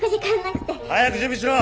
早く準備しろ！